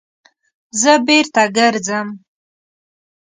_زه بېرته ګرځم.